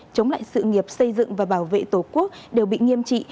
chống lại sự nghiệp xây dựng và bảo vệ tổ quốc đều bị nghiêm trị